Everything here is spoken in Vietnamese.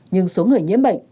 nhưng số người nhiễm bệnh